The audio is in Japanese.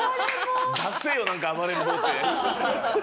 ダセえよなんか暴れん坊って。